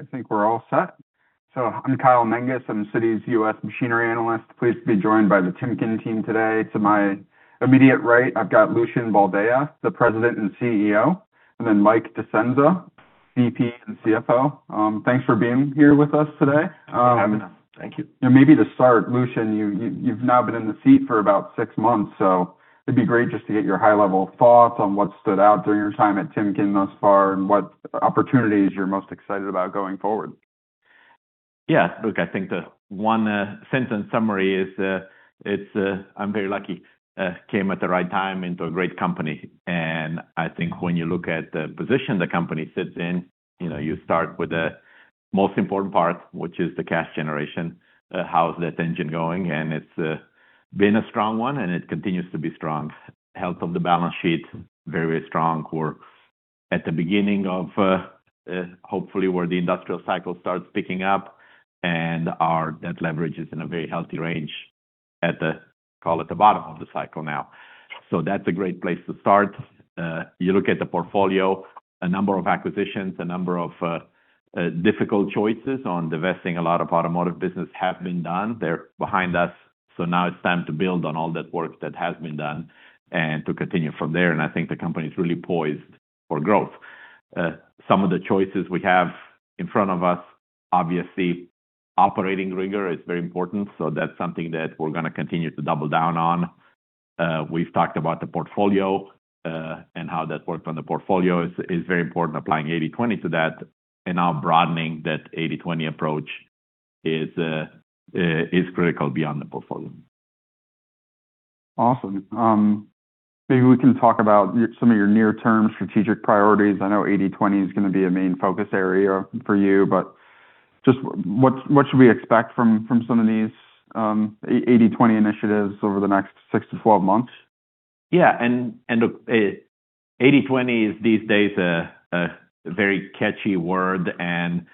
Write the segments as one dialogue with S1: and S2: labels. S1: I think we're all set. So I'm Kyle Menges. I'm Citi's US machinery analyst. Pleased to be joined by the Timken team today. To my immediate right, I've got Lucian Boldea, the President and CEO, and then Mike Discenza, VP and CFO. Thanks for being here with us today.
S2: Happy to. Thank you.
S1: Maybe to start, Lucian, you've now been in the seat for about six months, so it'd be great just to get your high-level thoughts on what stood out during your time at Timken thus far, and what opportunities you're most excited about going forward.
S2: Yeah. Look, I think the one sentence summary is, it's, I'm very lucky. Came at the right time into a great company, and I think when you look at the position the company sits in, you know, you start with the most important part, which is the cash generation. How's that engine going? And it's been a strong one, and it continues to be strong. Health of the balance sheet, very strong. We're at the beginning of, hopefully, where the industrial cycle starts picking up, and our, that leverage is in a very healthy range at the, call it, the bottom of the cycle now. So that's a great place to start. You look at the portfolio, a number of acquisitions, a number of difficult choices on divesting a lot of automotive business have been done. They're behind us, so now it's time to build on all that work that has been done and to continue from there, and I think the company is really poised for growth. Some of the choices we have in front of us, obviously, operating rigor is very important, so that's something that we're gonna continue to double down on. We've talked about the portfolio, and how that works on the portfolio is very important. Applying 80/20 to that and now broadening that 80/20 approach is critical beyond the portfolio.
S1: Awesome. Maybe we can talk about some of your near-term strategic priorities. I know 80/20 is gonna be a main focus area for you, but just what should we expect from some of these 80/20 initiatives over the next 6-12 months?
S2: Yeah, 80/20 is, these days, a very catchy word and,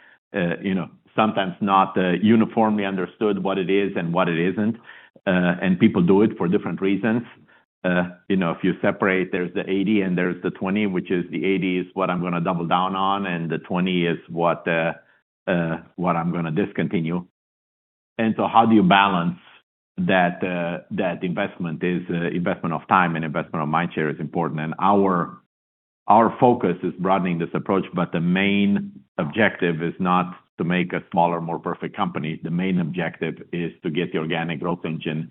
S2: you know, sometimes not uniformly understood what it is and what it isn't. And people do it for different reasons. You know, if you separate, there's the 80 and there's the 20, which is the 80 is what I'm gonna double down on, and the 20 is what, what I'm gonna discontinue. And so how do you balance that, that investment is, investment of time and investment of mind share is important, and our focus is broadening this approach, but the main objective is not to make a smaller, more perfect company. The main objective is to get the organic growth engine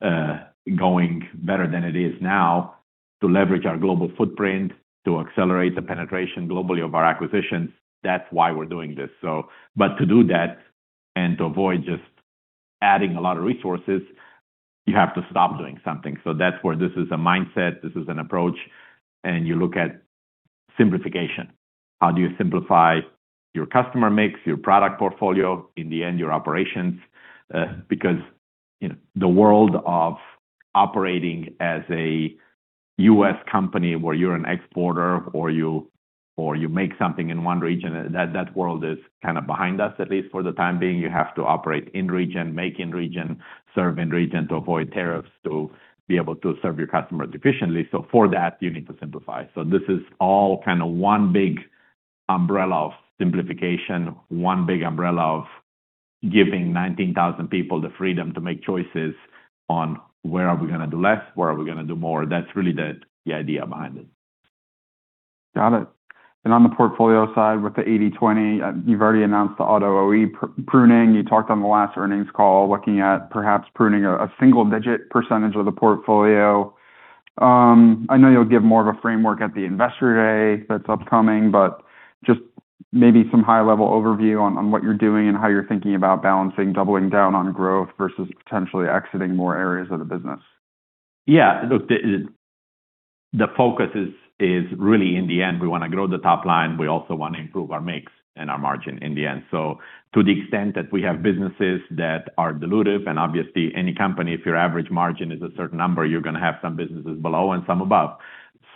S2: going better than it is now, to leverage our global footprint, to accelerate the penetration globally of our acquisitions. That's why we're doing this. So, but to do that and to avoid just adding a lot of resources, you have to stop doing something. So that's where this is a mindset, this is an approach, and you look at simplification. How do you simplify your customer mix, your product portfolio, in the end, your operations? Because, you know, the world of operating as a US company, where you're an exporter or you, or you make something in one region, that, that world is kind of behind us, at least for the time being. You have to operate in region, make in region, serve in region to avoid tariffs, to be able to serve your customers efficiently. So for that, you need to simplify. This is all kind of one big umbrella of simplification, one big umbrella of giving 19,000 people the freedom to make choices on where are we gonna do less, where are we gonna do more? That's really the, the idea behind it.
S1: Got it. And on the portfolio side, with the 80/20, you've already announced the auto OE pruning. You talked on the last earnings call, looking at perhaps pruning a single-digit % of the portfolio. I know you'll give more of a framework at the Investor Day that's upcoming, but just maybe some high-level overview on what you're doing and how you're thinking about balancing, doubling down on growth versus potentially exiting more areas of the business.
S2: Yeah. Look, the focus is really, in the end, we wanna grow the top line. We also want to improve our mix and our margin in the end. So to the extent that we have businesses that are dilutive, and obviously, any company, if your average margin is a certain number, you're gonna have some businesses below and some above.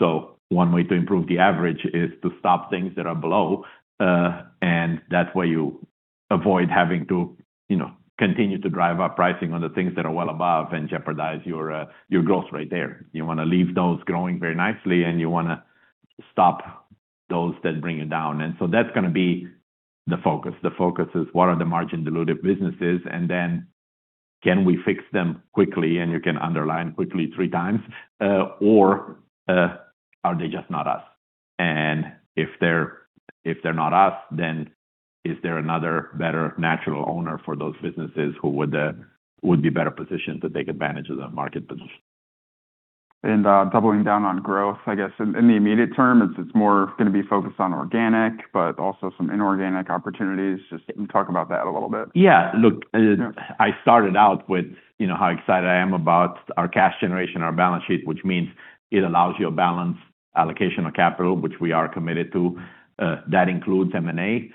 S2: So one way to improve the average is to stop things that are below, and that way, you avoid having to, you know, continue to drive up pricing on the things that are well above and jeopardize your growth right there. You wanna leave those growing very nicely, and you wanna stop those that bring you down. And so that's gonna be the focus. The focus is: What are the margin dilutive businesses? And then can we fix them quickly, and you can underline quickly three times, or are they just not us? And if they're not us, then is there another better natural owner for those businesses who would be better positioned to take advantage of that market position?
S1: Doubling down on growth, I guess in the immediate term, it's more gonna be focused on organic, but also some inorganic opportunities. Just talk about that a little bit.
S2: Yeah. Look, I started out with, you know, how excited I am about our cash generation, our balance sheet, which means it allows you a balanced allocation of capital, which we are committed to. That includes M&A.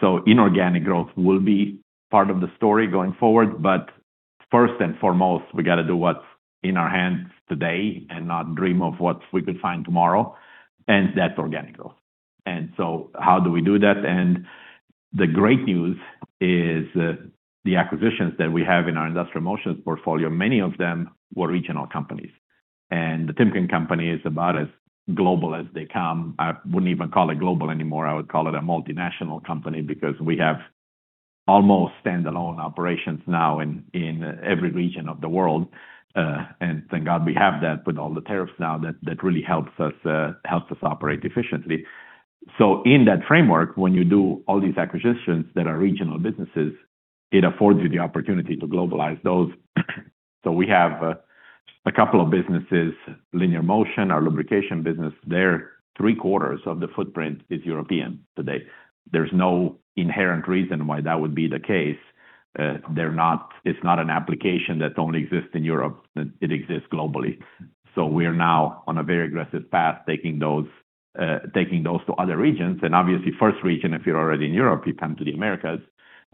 S2: So inorganic growth will be part of the story going forward, but first and foremost, we got to do what's in our hands today and not dream of what we could find tomorrow, and that's organic growth. And so how do we do that? And the great news is, the acquisitions that we have in our Industrial Motion portfolio, many of them were regional companies, and The Timken Company is about as global as they come. I wouldn't even call it global anymore. I would call it a multinational company because we have almost standalone operations now in every region of the world. And thank God we have that with all the tariffs now, that, that really helps us, helps us operate efficiently. So in that framework, when you do all these acquisitions that are regional businesses, it affords you the opportunity to globalize those. So we have a couple of businesses, linear motion, our lubrication business, they're three-quarters of the footprint is European today. There's no inherent reason why that would be the case. They're not. It's not an application that only exists in Europe. It exists globally. So we're now on a very aggressive path, taking those, taking those to other regions. And obviously, first region, if you're already in Europe, you come to the Americas.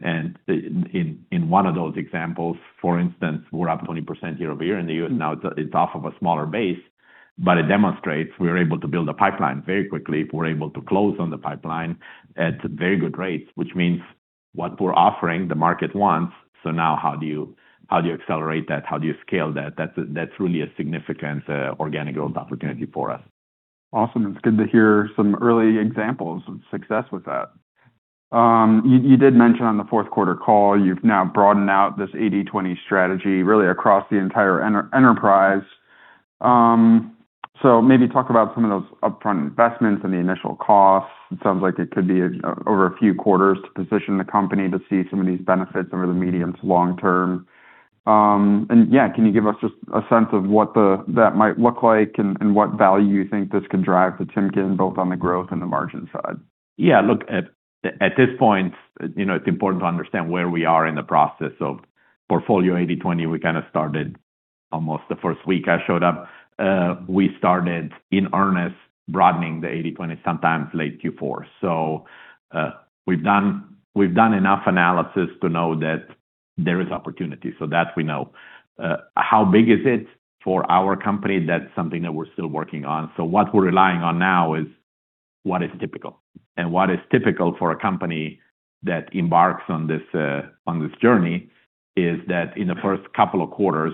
S2: And in one of those examples, for instance, we're up 20% year-over-year in the U.S. Now, it's off of a smaller base, but it demonstrates we're able to build a pipeline very quickly. We're able to close on the pipeline at very good rates, which means what we're offering, the market wants. So now how do you, how do you accelerate that? How do you scale that? That's, that's really a significant organic growth opportunity for us.
S1: Awesome. It's good to hear some early examples of success with that. You, you did mention on the fourth quarter call, you've now broadened out this 80/20 strategy, really across the entire enterprise. So maybe talk about some of those upfront investments and the initial costs. It sounds like it could be over a few quarters to position the company to see some of these benefits over the medium to long term. And yeah, can you give us just a sense of what that might look like and what value you think this could drive to Timken, both on the growth and the margin side?
S2: Yeah, look, at this point, you know, it's important to understand where we are in the process. So portfolio 80/20, we kinda started almost the first week I showed up. We started in earnest, broadening the 80/20, sometime late Q4. So, we've done enough analysis to know that there is opportunity, so that we know. How big is it for our company? That's something that we're still working on. So what we're relying on now is what is typical. And what is typical for a company that embarks on this journey, is that in the first couple of quarters,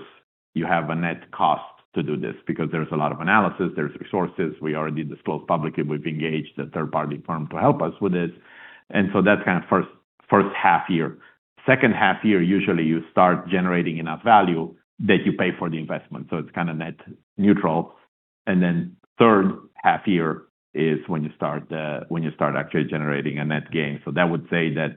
S2: you have a net cost to do this because there's a lot of analysis, there's resources. We already disclosed publicly, we've engaged a third-party firm to help us with this. And so that's kind of first half year. Second half year, usually you start generating enough value that you pay for the investment, so it's kinda net neutral. And then third half year is when you start, when you start actually generating a net gain. So that would say that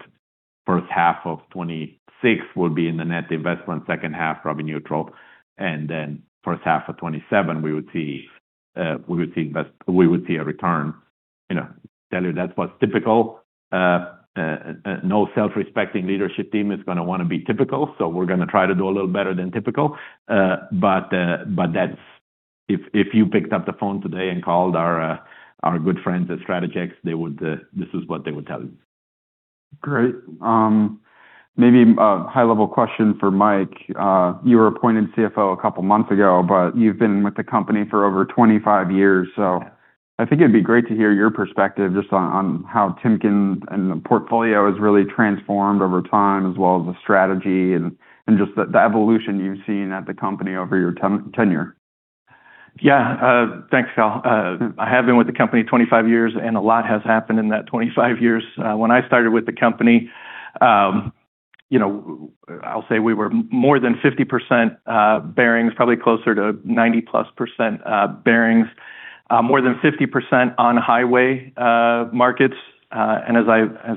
S2: first half of 2026 will be in the net investment, second half, probably neutral, and then first half of 2027, we would see, we would see a return. You know, tell you that's what's typical. No self-respecting leadership team is gonna wanna be typical, so we're gonna try to do a little better than typical. But that's... If you picked up the phone today and called our good friends at Strategex, they would, this is what they would tell you.
S1: Great. Maybe a high-level question for Mike. You were appointed CFO a couple of months ago, but you've been with the company for over 25 years, so I think it'd be great to hear your perspective just on how Timken and the portfolio has really transformed over time, as well as the strategy and just the evolution you've seen at the company over your tenure.
S3: Yeah, thanks, Kyle. I have been with the company 25 years, and a lot has happened in that 25 years. When I started with the company, you know, I'll say we were more than 50%, bearings, probably closer to 90+%, bearings, more than 50% on highway markets. And as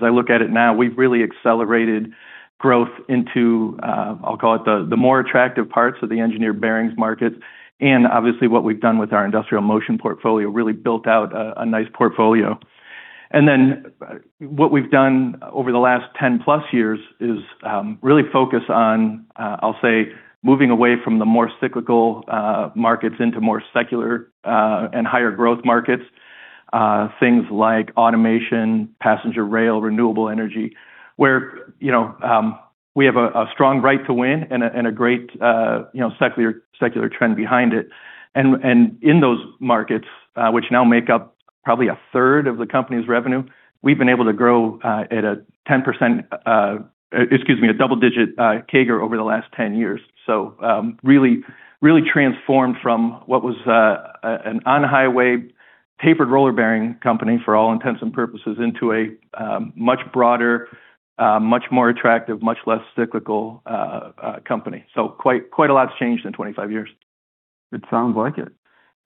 S3: I look at it now, we've really accelerated growth into, I'll call it, the more attractive parts of the engineered bearings market. And obviously, what we've done with our industrial motion portfolio, really built out a nice portfolio. And then, what we've done over the last 10+ years is really focus on, I'll say, moving away from the more cyclical markets into more secular and higher growth markets. Things like automation, passenger rail, renewable energy, where, you know, we have a strong right to win and a great, you know, secular trend behind it. And in those markets, which now make up probably a third of the company's revenue, we've been able to grow at a 10%, excuse me, a double-digit CAGR over the last 10 years. So, really transformed from what was a on-highway tapered roller bearing company, for all intents and purposes, into a much broader, much more attractive, much less cyclical company. So quite a lot has changed in 25 years.
S1: It sounds like it.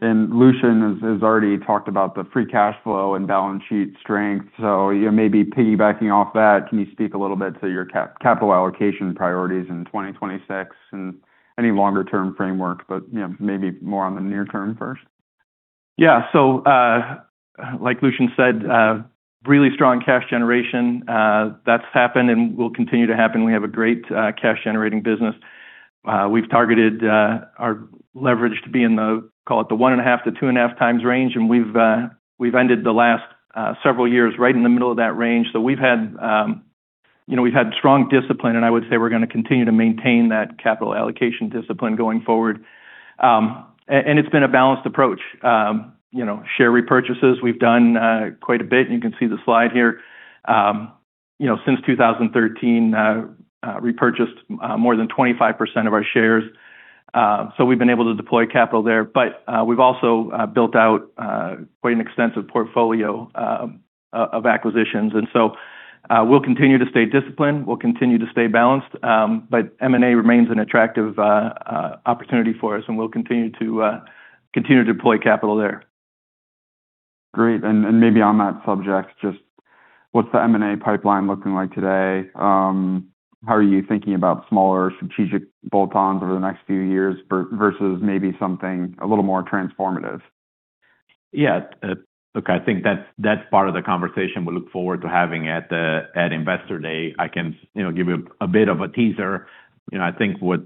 S1: Lucian has already talked about the free cash flow and balance sheet strength, so you may be piggybacking off that. Can you speak a little bit to your capital allocation priorities in 2026 and any longer-term framework, but, you know, maybe more on the near term first?
S3: Yeah. So, like Lucian said, really strong cash generation. That's happened and will continue to happen. We have a great cash-generating business. We've targeted our leverage to be in the, call it, 1.5-2.5 times range, and we've ended the last several years right in the middle of that range. So we've had, you know, we've had strong discipline, and I would say we're gonna continue to maintain that capital allocation discipline going forward. And it's been a balanced approach. You know, share repurchases, we've done quite a bit. You can see the slide here. You know, since 2013, repurchased more than 25% of our shares. So we've been able to deploy capital there, but we've also built out quite an extensive portfolio of acquisitions. And so we'll continue to stay disciplined, we'll continue to stay balanced, but M&A remains an attractive opportunity for us, and we'll continue to deploy capital there.
S1: Great. And maybe on that subject, just what's the M&A pipeline looking like today? How are you thinking about smaller strategic bolt-ons over the next few years versus maybe something a little more transformative?
S2: Yeah, look, I think that's, that's part of the conversation we look forward to having at Investor Day. I can, you know, give you a bit of a teaser. You know, I think what,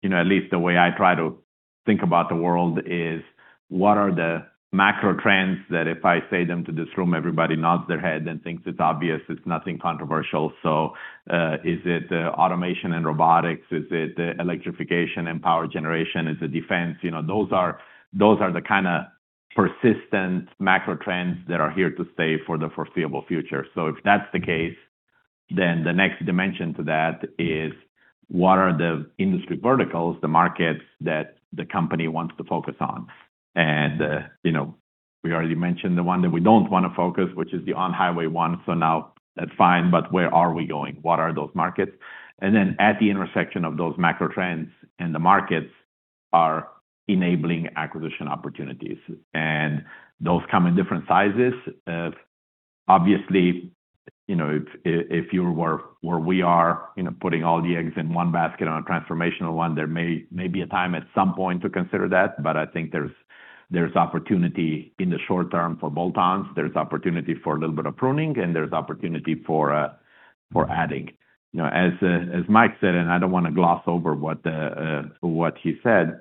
S2: you know, at least the way I try to think about the world is, what are the macro trends that if I say them to this room, everybody nods their head and thinks it's obvious, it's nothing controversial? So, is it, automation and robotics? Is it electrification and power generation? Is it defense? You know, those are, those are the kinda persistent macro trends that are here to stay for the foreseeable future. So if that's the case, then the next dimension to that is: What are the industry verticals, the markets that the company wants to focus on? You know, we already mentioned the one that we don't want to focus, which is the on-highway one. That's fine, but where are we going? What are those markets? At the intersection of those macro trends and the markets are enabling acquisition opportunities, and those come in different sizes. Obviously, you know, if you were where we are, putting all the eggs in one basket on a transformational one, there may be a time at some point to consider that, but I think there's opportunity in the short term for bolt-ons, there's opportunity for a little bit of pruning, and there's opportunity for adding. You know, as Mike said, and I don't want to gloss over what he said,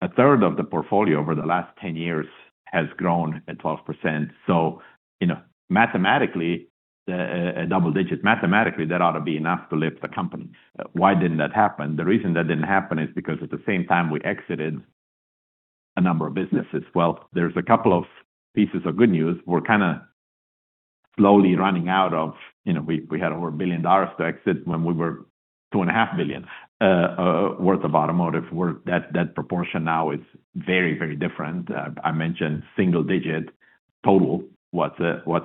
S2: a third of the portfolio over the last 10 years has grown at 12%. So, you know, mathematically, double digits. Mathematically, that ought to be enough to lift the company. Why didn't that happen? The reason that didn't happen is because at the same time, we exited a number of businesses. Well, there's a couple of pieces of good news. We're kinda slowly running out of... You know, we had over $1 billion to exit when we were $2.5 billion worth of automotive. That proportion now is very, very different. I mentioned single digit total, what's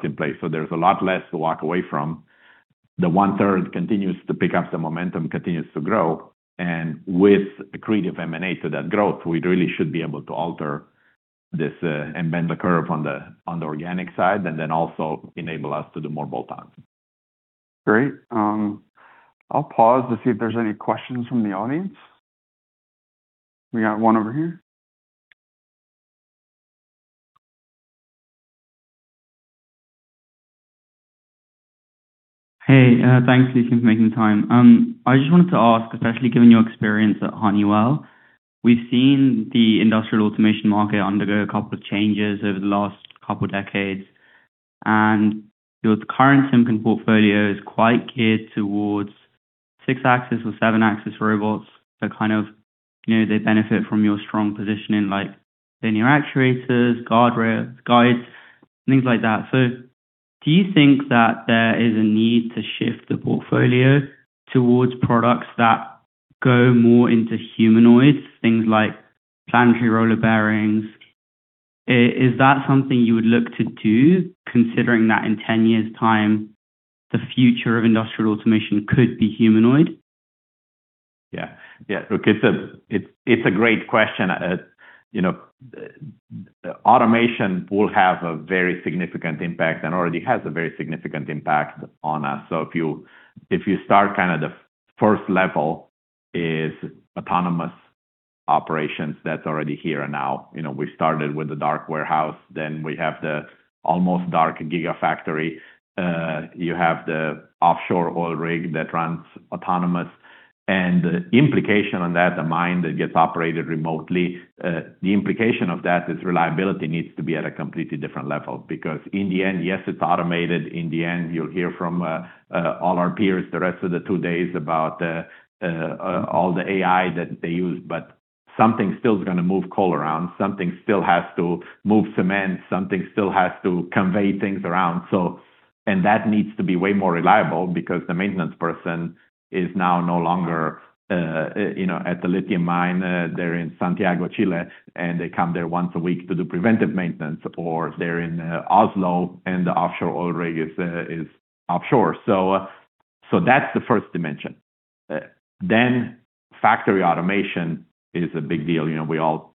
S2: in place, so there's a lot less to walk away from. The one-third continues to pick up some momentum, continues to grow, and with accretive M&A to that growth, we really should be able to alter this, and bend the curve on the organic side, and then also enable us to do more bolt-ons.
S1: Great. I'll pause to see if there's any questions from the audience. We got one over here.
S4: Hey, thanks, Lucian, for making the time. I just wanted to ask, especially given your experience at Honeywell, we've seen the industrial automation market undergo a couple of changes over the last couple of decades, and your current Timken portfolio is quite geared towards six-axis or seven-axis robots that kind of, you know, they benefit from your strong positioning, like linear actuators, guides, things like that. So do you think that there is a need to shift the portfolio towards products that go more into humanoids, things like planetary roller bearings? Is that something you would look to do, considering that in 10 years' time, the future of industrial automation could be humanoid?
S2: Yeah. Yeah, look, it's a great question. You know, automation will have a very significant impact and already has a very significant impact on us. So if you start... kinda the first level is autonomous operations. That's already here now. You know, we started with the dark warehouse, then we have the almost dark gigafactory. You have the offshore oil rig that runs autonomous, and the implication on that, the mine that gets operated remotely, the implication of that is reliability needs to be at a completely different level because in the end, yes, it's automated. In the end, you'll hear from all our peers, the rest of the two days about all the AI that they use, but something still is gonna move coal around, something still has to move cement, something still has to convey things around. So, and that needs to be way more reliable because the maintenance person is now no longer, you know, at the lithium mine. They're in Santiago, Chile, and they come there once a week to do preventive maintenance, or they're in Oslo, and the offshore oil rig is offshore. So, that's the first dimension. Then factory automation is a big deal. You know, we all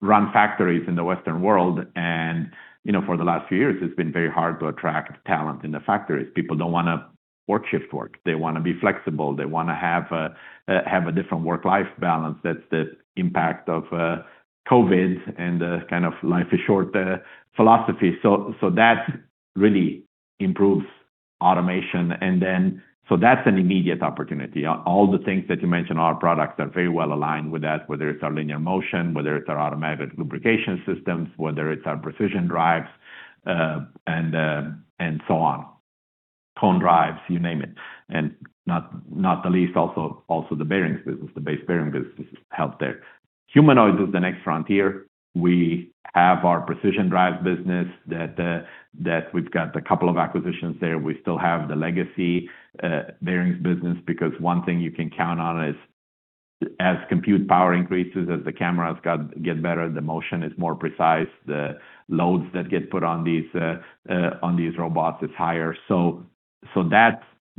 S2: run factories in the Western world, and, you know, for the last few years, it's been very hard to attract talent in the factories. People don't wanna work shift work. They wanna be flexible. They wanna have a, have a different work-life balance. That's the impact of COVID and kind of life is short philosophy. That really improves automation, and then... That's an immediate opportunity. All the things that you mentioned, our products are very well aligned with that, whether it's our linear motion, whether it's our automatic lubrication systems, whether it's our precision drives, and, and so on. Cone Drive, you name it, and not the least, also, also the bearings business, the base bearing business help there... Humanoids is the next frontier. We have our precision drive business that we've got a couple of acquisitions there. We still have the legacy bearings business, because one thing you can count on is as compute power increases, as the cameras get better, the motion is more precise, the loads that get put on these, on these robots is higher. So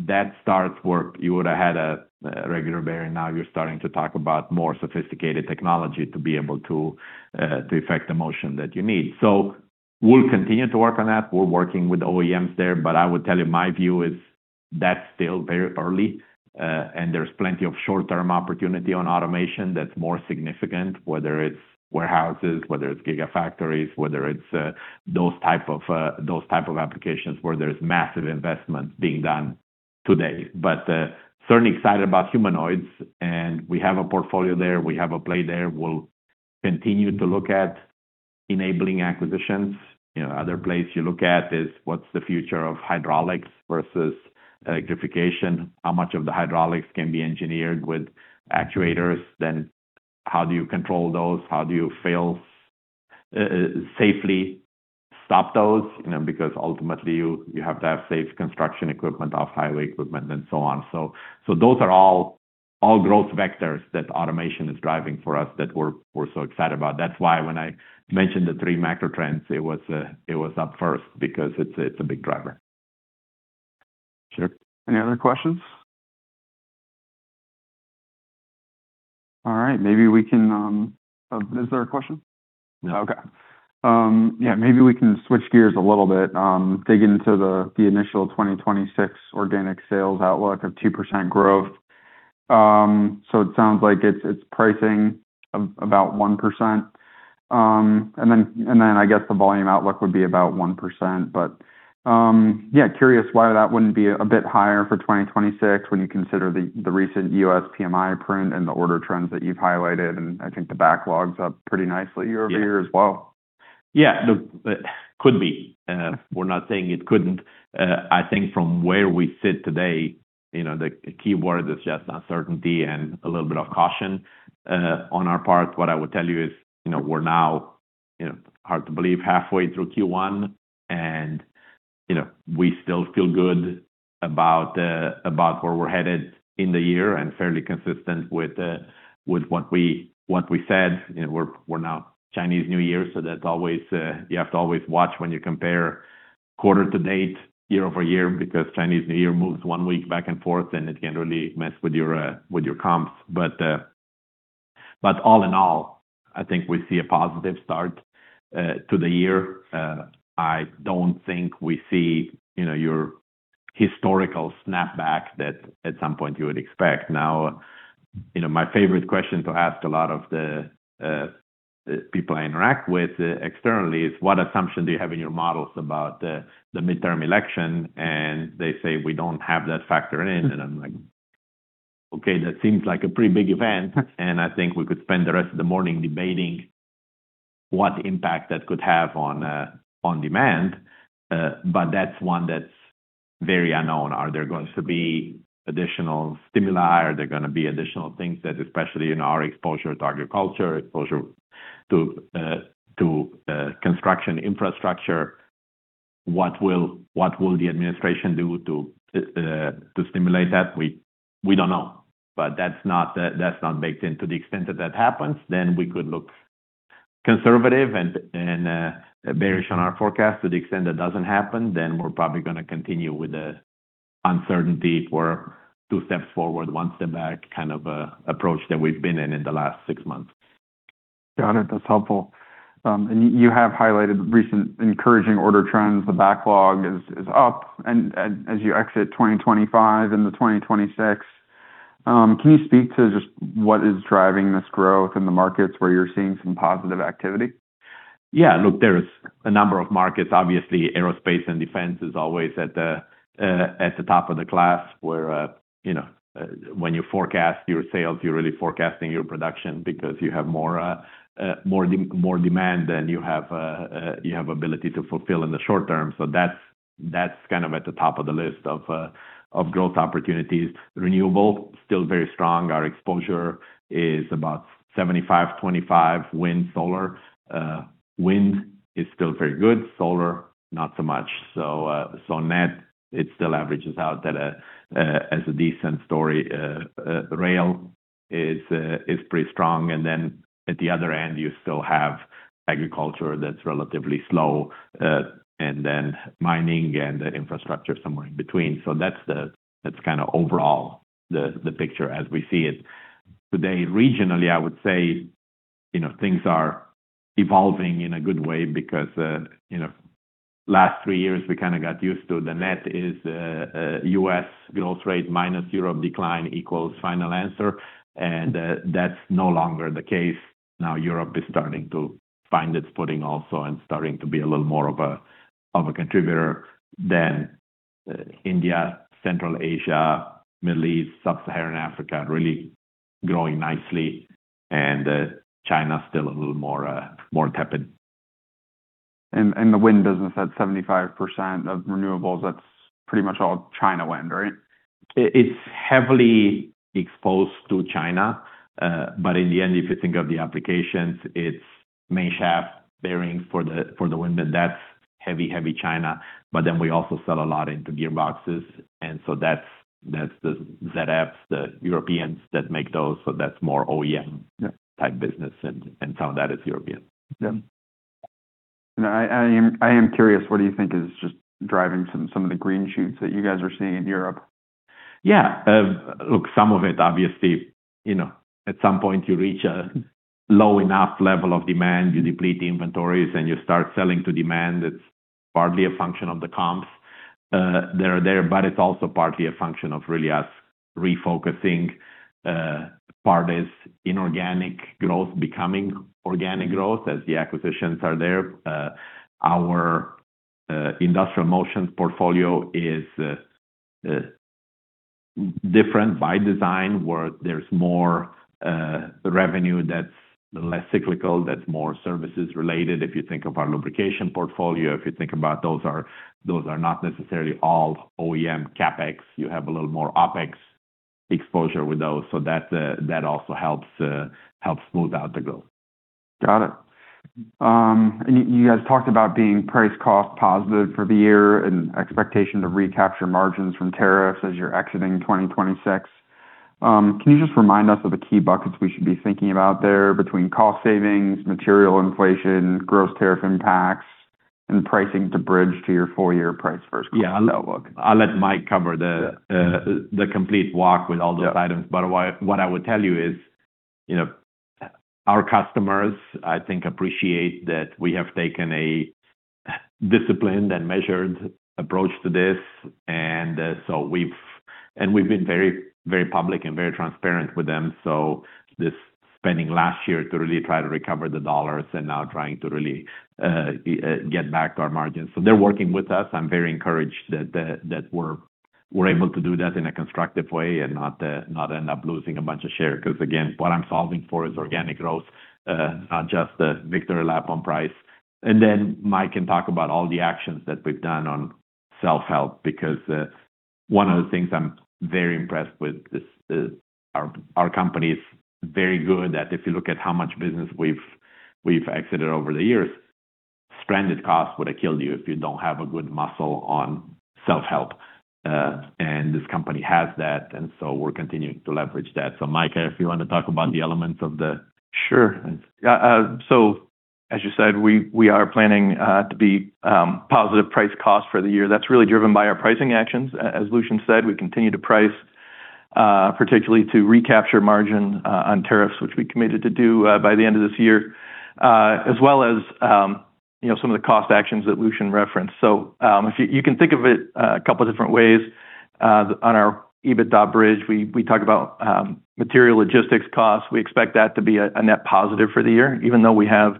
S2: that starts where you would have had a regular bearing. Now you're starting to talk about more sophisticated technology to be able to, to affect the motion that you need. So we'll continue to work on that. We're working with OEMs there, but I would tell you, my view is that's still very early, and there's plenty of short-term opportunity on automation that's more significant, whether it's warehouses, whether it's gigafactories, whether it's those type of those type of applications where there's massive investment being done today. But, certainly excited about humanoids, and we have a portfolio there. We have a play there. We'll continue to look at enabling acquisitions. You know, other place you look at is what's the future of hydraulics versus electrification? How much of the hydraulics can be engineered with actuators? Then how do you control those? How do you fail safely, stop those? You know, because ultimately you have to have safe construction equipment, off-highway equipment, and so on. So, those are all growth vectors that automation is driving for us that we're so excited about. That's why when I mentioned the three macro trends, it was up first, because it's a big driver.
S1: Sure. Any other questions? All right, maybe we can... Is there a question?
S2: No.
S1: Okay. Yeah, maybe we can switch gears a little bit. Digging into the initial 2026 organic sales outlook of 2% growth. So it sounds like it's pricing of about 1%. And then I guess the volume outlook would be about 1%. But yeah, curious why that wouldn't be a bit higher for 2026 when you consider the recent U.S. PMI print and the order trends that you've highlighted, and I think the backlogs up pretty nicely-
S2: Yeah
S1: year-over-year as well.
S2: Yeah. Look, could be. We're not saying it couldn't. I think from where we sit today, you know, the key word is just uncertainty and a little bit of caution, on our part. What I would tell you is, you know, we're now, you know, hard to believe, halfway through Q1, and, you know, we still feel good about, about where we're headed in the year and fairly consistent with, with what we, what we said. You know, we're, we're now Chinese New Year, so that's always, you have to always watch when you compare quarter-to-date, year-over-year, because Chinese New Year moves one week back and forth, and it can really mess with your, with your comps. But, but all in all, I think we see a positive start, to the year. I don't think we see, you know, your historical snapback that at some point you would expect. Now, you know, my favorite question to ask a lot of the people I interact with externally is, what assumption do you have in your models about the midterm election? And they say, "We don't have that factored in." And I'm like, "Okay, that seems like a pretty big event," and I think we could spend the rest of the morning debating what impact that could have on on demand. But that's one that's very unknown. Are there going to be additional stimuli? Are there gonna be additional things that, especially in our exposure to agriculture, exposure to construction infrastructure, what will the administration do to stimulate that? We don't know, but that's not baked in. To the extent that that happens, then we could look conservative and bearish on our forecast. To the extent that doesn't happen, then we're probably gonna continue with the uncertainty or two steps forward, one step back, kind of approach that we've been in the last six months.
S1: Got it. That's helpful. And you have highlighted recent encouraging order trends. The backlog is up, and as you exit 2025 and the 2026, can you speak to just what is driving this growth in the markets where you're seeing some positive activity?
S2: Yeah, look, there is a number of markets. Obviously, aerospace and defense is always at the top of the class where you know when you forecast your sales, you're really forecasting your production because you have more demand than you have ability to fulfill in the short term. So that's kind of at the top of the list of growth opportunities. Renewable, still very strong. Our exposure is about 75-25, wind, solar. Wind is still very good, solar, not so much. So net, it still averages out as a decent story. Rail is pretty strong, and then at the other end, you still have agriculture that's relatively slow, and then mining and infrastructure somewhere in between. So that's that's kind of overall the picture as we see it. Today, regionally, I would say, you know, things are evolving in a good way because, you know, last three years we kind of got used to the net is U.S. growth rate minus Europe decline equals final answer, and that's no longer the case. Now Europe is starting to find its footing also and starting to be a little more of a contributor than India, Central Asia, Middle East, Sub-Saharan Africa, really growing nicely, and China still a little more tepid....
S1: And the wind business at 75% of renewables, that's pretty much all China wind, right?
S2: It's heavily exposed to China. But in the end, if you think of the applications, it's main shaft bearings for the wind, but that's heavy, heavy China. But then we also sell a lot into gearboxes, and so that's the ZFs, the Europeans that make those, so that's more OEM-
S3: Yeah
S2: type business, and some of that is European.
S1: Yeah. And I am curious, what do you think is just driving some of the green shoots that you guys are seeing in Europe?
S2: Yeah. Look, some of it, obviously, you know, at some point you reach a low enough level of demand, you deplete the inventories, and you start selling to demand. It's partly a function of the comps that are there, but it's also partly a function of really us refocusing, part is inorganic growth becoming organic growth as the acquisitions are there. Our Industrial Motion portfolio is different by design, where there's more revenue that's less cyclical, that's more services related. If you think of our lubrication portfolio, if you think about those are, those are not necessarily all OEM CapEx. You have a little more OpEx exposure with those, so that also helps smooth out the growth.
S1: Got it. And you guys talked about being price cost positive for the year and expectation to recapture margins from tariffs as you're exiting 2026. Can you just remind us of the key buckets we should be thinking about there between cost savings, material inflation, gross tariff impacts, and pricing to bridge to your four-year price-cost outlook?
S2: Yeah, I'll let Mike cover the complete walk with all those items. But what I would tell you is, you know, our customers, I think, appreciate that we have taken a disciplined and measured approach to this, and so we've been very, very public and very transparent with them. So this spending last year to really try to recover the dollars and now trying to really get back our margins. So they're working with us. I'm very encouraged that we're able to do that in a constructive way and not end up losing a bunch of share, 'cause again, what I'm solving for is organic growth, not just the victory lap on price. And then Mike can talk about all the actions that we've done on self-help, because one of the things I'm very impressed with is our company is very good at if you look at how much business we've exited over the years, stranded costs would have killed you if you don't have a good muscle on self-help. And this company has that, and so we're continuing to leverage that. So Mike, if you want to talk about the elements of the-
S3: Sure. So as you said, we are planning to be positive price cost for the year. That's really driven by our pricing actions. As Lucian said, we continue to price particularly to recapture margin on tariffs, which we committed to do by the end of this year, as well as you know, some of the cost actions that Lucian referenced. So, if you can think of it a couple different ways on our EBITDA bridge, we talk about material logistics costs. We expect that to be a net positive for the year, even though we have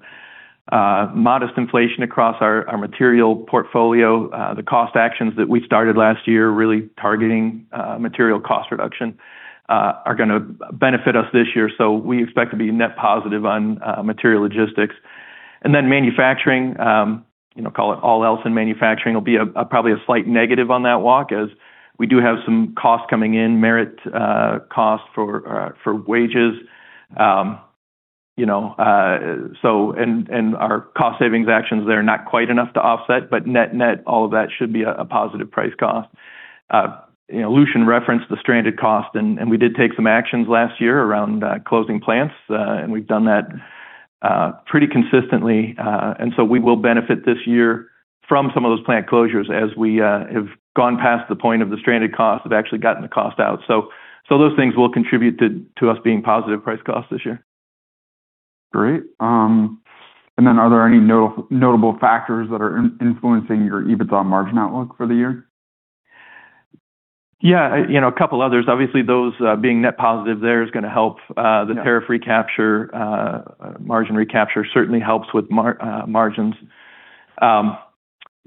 S3: modest inflation across our material portfolio. The cost actions that we started last year, really targeting material cost reduction, are gonna benefit us this year. So we expect to be net positive on, material logistics. And then manufacturing, you know, call it all else in manufacturing, will be a, probably a slight negative on that walk as we do have some costs coming in, merit costs for, for wages. You know, so, and, our cost savings actions there are not quite enough to offset, but net-net, all of that should be a positive price cost. You know, Lucian referenced the stranded cost, and, we did take some actions last year around, closing plants, and we've done that, pretty consistently. And so we will benefit this year from some of those plant closures as we, have gone past the point of the stranded cost, have actually gotten the cost out. So, those things will contribute to us being positive price cost this year.
S1: Great. And then are there any notable factors that are influencing your EBITDA margin outlook for the year?
S3: Yeah, you know, a couple others. Obviously, those, being net positive there is gonna help, the-
S2: Yeah...
S3: tariff recapture, margin recapture, certainly helps with margins.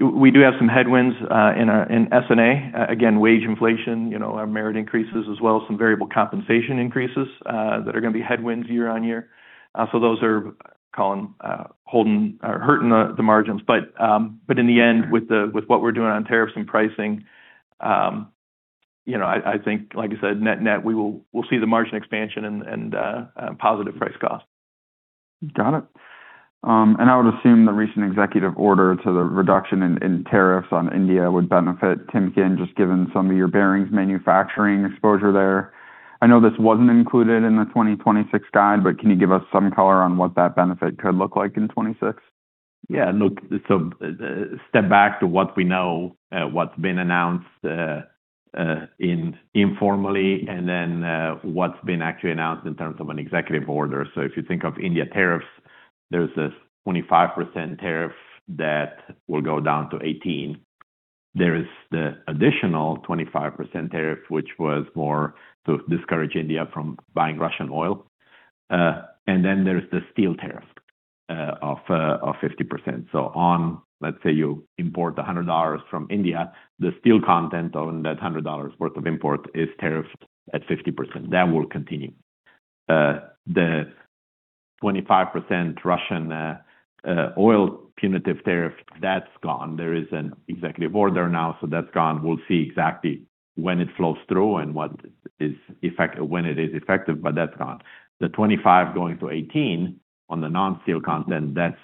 S3: We do have some headwinds in our S&A. Again, wage inflation, you know, our merit increases, as well as some variable compensation increases that are gonna be headwinds year on year. So those are calling, holding or hurting the margins. But in the end, with what we're doing on tariffs and pricing, you know, I think, like you said, net-net, we'll see the margin expansion and positive price cost.
S1: Got it. And I would assume the recent executive order to the reduction in tariffs on India would benefit Timken, just given some of your bearings manufacturing exposure there. I know this wasn't included in the 2026 guide, but can you give us some color on what that benefit could look like in 2026?
S3: Yeah. Look, so, step back to what we know, what's been announced informally, and then, what's been actually announced in terms of an executive order. So if you think of India tariffs, there's a 25% tariff that will go down to 18%. There is the additional 25% tariff, which was more to discourage India from buying Russian oil. And then there's the steel tariff of 50%. So on, let's say, you import $100 from India, the steel content on that $100 worth of import is tariffed at 50%. That will continue.... the 25% Russian oil punitive tariff, that's gone. There is an executive order now, so that's gone. We'll see exactly when it flows through and what the effect is, when it is effective, but that's gone. The 25 going to 18 on the non-steel content, that's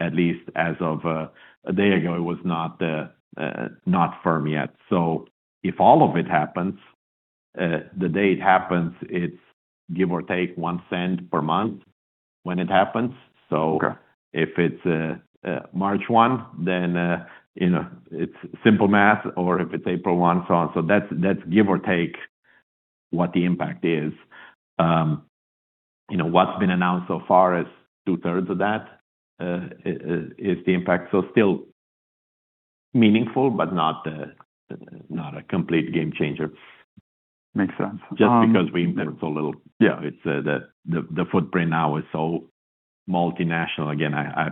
S3: at least as of a day ago, it was not firm yet. So if all of it happens, the day it happens, it's give or take $0.01 per month when it happens.
S1: Okay.
S3: So if it's March one, then you know, it's simple math, or if it's April one, so on. So that's give or take what the impact is. You know, what's been announced so far is two-thirds of that is the impact. So still meaningful, but not a complete game changer.
S1: Makes sense,
S2: Just because we're so little.
S1: Yeah.
S2: It's the footprint now is so multinational. Again, I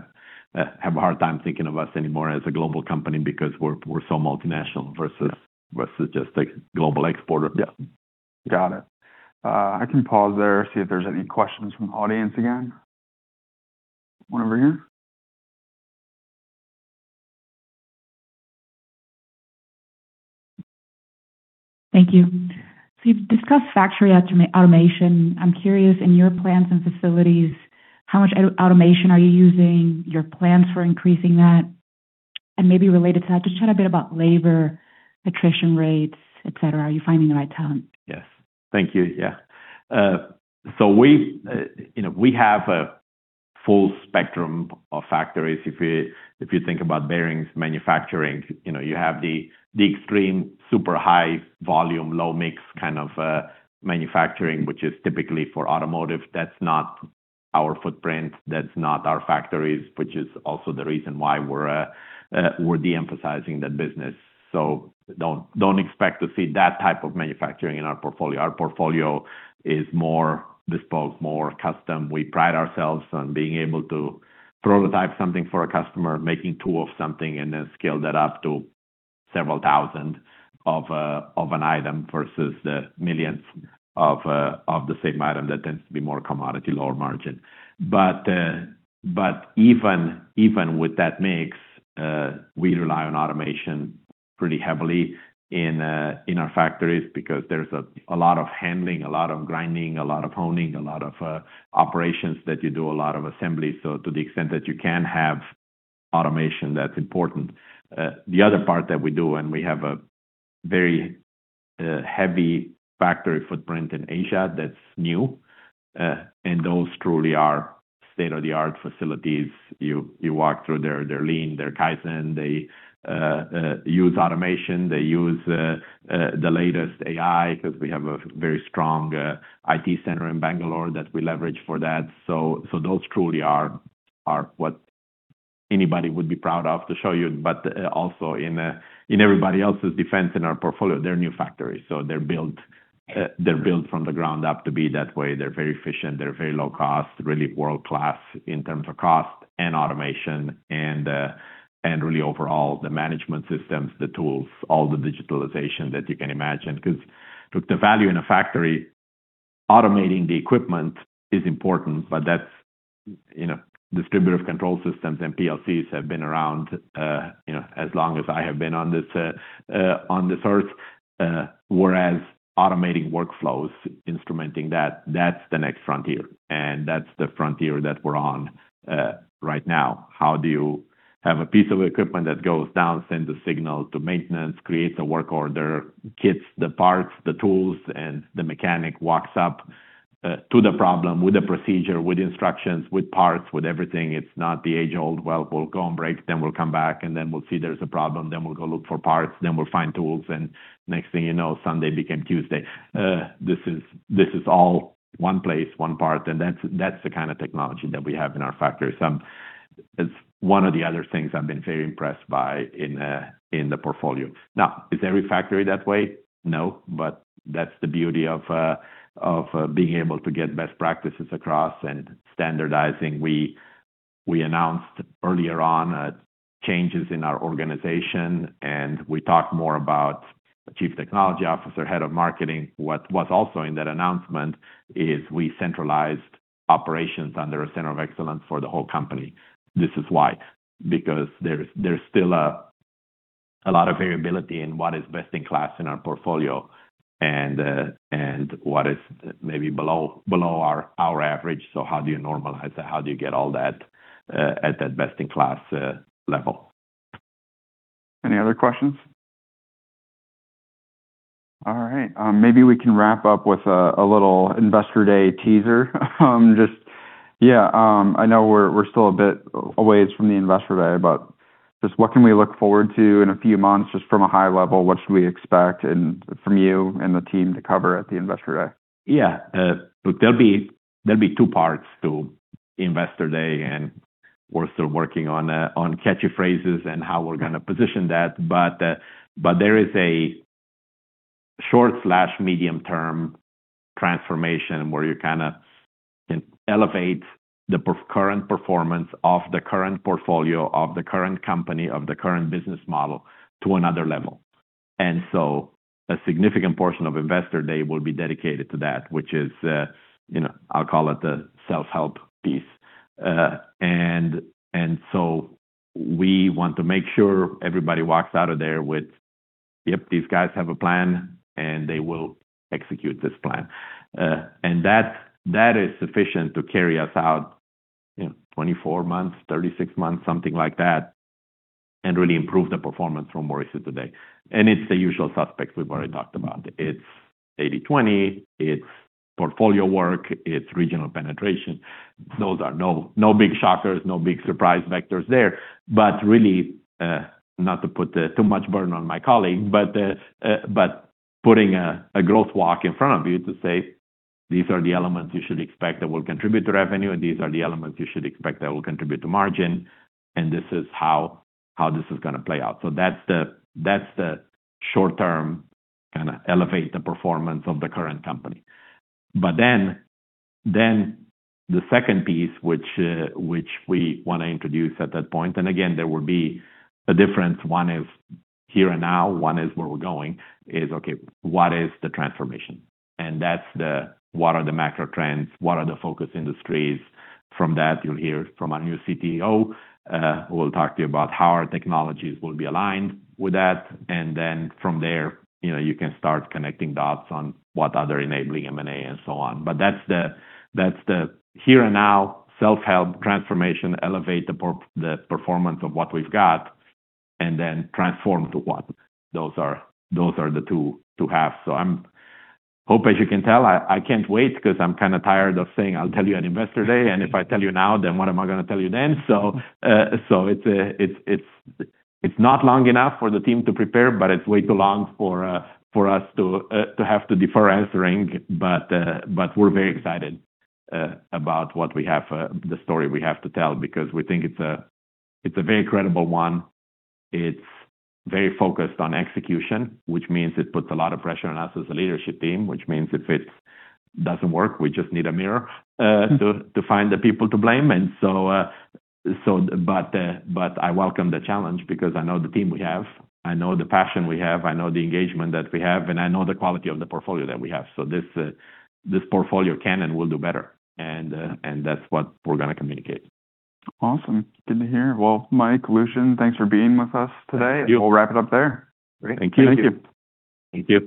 S2: have a hard time thinking of us anymore as a global company because we're so multinational versus-
S1: Yeah...
S2: versus just a global exporter.
S1: Yeah. Got it. I can pause there, see if there's any questions from the audience again. One over here.
S5: Thank you. So you've discussed factory automation. I'm curious, in your plants and facilities, how much automation are you using, your plans for increasing that? And maybe related to that, just chat a bit about labor, attrition rates, et cetera. Are you finding the right talent?
S2: Yes. Thank you. Yeah. So we, you know, we have a full spectrum of factories. If you think about bearings manufacturing, you know, you have the extreme super high volume, low mix kind of manufacturing, which is typically for automotive. That's not our footprint, that's not our factories, which is also the reason why we're de-emphasizing that business. So don't expect to see that type of manufacturing in our portfolio. Our portfolio is more bespoke, more custom. We pride ourselves on being able to prototype something for a customer, making two of something, and then scale that up to several thousand of an item versus the millions of the same item that tends to be more commodity, lower margin. But even with that mix, we rely on automation pretty heavily in our factories because there's a lot of handling, a lot of grinding, a lot of honing, a lot of operations that you do, a lot of assembly. So to the extent that you can have automation, that's important. The other part that we do, and we have a very heavy factory footprint in Asia, that's new, and those truly are state-of-the-art facilities. You walk through there, they're lean, they're Kaizen, they use automation, they use the latest AI because we have a very strong IT center in Bangalore that we leverage for that. So those truly are what anybody would be proud of to show you. But, also in, in everybody else's defense in our portfolio, they're new factories, so they're built, they're built from the ground up to be that way. They're very efficient, they're very low cost, really world-class in terms of cost and automation, and, and really overall, the management systems, the tools, all the digitalization that you can imagine. 'Cause look, the value in a factory, automating the equipment is important, but that's, you know, distributive control systems and PLCs have been around, you know, as long as I have been on this, on this earth. Whereas automating workflows, instrumenting that, that's the next frontier, and that's the frontier that we're on, right now. How do you have a piece of equipment that goes down, send the signal to maintenance, creates a work order, gets the parts, the tools, and the mechanic walks up to the problem with a procedure, with instructions, with parts, with everything? It's not the age-old, "Well, we'll go on break, then we'll come back, and then we'll see there's a problem, then we'll go look for parts, then we'll find tools," and next thing you know, Sunday became Tuesday. This is all one place, one part, and that's the kind of technology that we have in our factories. It's one of the other things I've been very impressed by in, in the portfolio. Now, is every factory that way? No, but that's the beauty of being able to get best practices across and standardizing. We announced earlier on changes in our organization, and we talked more about Chief Technology Officer, Head of Marketing. What was also in that announcement is we centralized operations under a center of excellence for the whole company. This is why, because there's still a lot of variability in what is best-in-class in our portfolio and what is maybe below our average. So how do you normalize that? How do you get all that at that best-in-class level?
S1: Any other questions? All right, maybe we can wrap up with a little Investor Day teaser. Just... Yeah, I know we're still a bit a ways from the Investor Day, but just what can we look forward to in a few months, just from a high level, what should we expect and from you and the team to cover at the Investor Day?
S2: Yeah, so there'll be two parts to Investor Day, and we're still working on catchy phrases and how we're gonna position that. But there is a short- to medium-term transformation where you kind of can elevate the current performance of the current portfolio, of the current company, of the current business model to another level. And so a significant portion of Investor Day will be dedicated to that, which is, you know, I'll call it the self-help piece. And so we want to make sure everybody walks out of there with, "Yep, these guys have a plan, and they will execute this plan." And that is sufficient to carry us out, you know, 24 months, 36 months, something like that, and really improve the performance from where it is today. And it's the usual suspects we've already talked about. It's 80/20, it's portfolio work, it's regional penetration. Those are no big shockers, no big surprise vectors there. But really, not to put too much burden on my colleague, but putting a growth walk in front of you to say, "These are the elements you should expect that will contribute to revenue, and these are the elements you should expect that will contribute to margin, and this is how this is gonna play out." So that's the short term, kind of, elevate the performance of the current company. But then the second piece, which we want to introduce at that point. And again, there will be a difference. One is here and now, one is where we're going, is, okay, what is the transformation? And that's the: what are the macro trends? What are the focus industries? From that, you'll hear from our new CTO who will talk to you about how our technologies will be aligned with that. And then from there, you know, you can start connecting dots on what other enabling M&A, and so on. But that's the here and now, self-help transformation, elevate the performance of what we've got, and then transform to what? Those are the two to have. So I hope, as you can tell, I can't wait because I'm kind of tired of saying, "I'll tell you on Investor Day," and if I tell you now, then what am I gonna tell you then? So it's not long enough for the team to prepare, but it's way too long for us to have to defer answering. We're very excited about what we have, the story we have to tell, because we think it's a very credible one. It's very focused on execution, which means it puts a lot of pressure on us as a leadership team, which means if it doesn't work, we just need a mirror to find the people to blame. I welcome the challenge because I know the team we have, I know the passion we have, I know the engagement that we have, and I know the quality of the portfolio that we have. This portfolio can and will do better, and that's what we're gonna communicate.
S1: Awesome. Good to hear. Well, Mike, Lucian, thanks for being with us today.
S2: Thank you.
S1: We'll wrap it up there. Great.
S2: Thank you.
S1: Thank you.
S2: Thank you.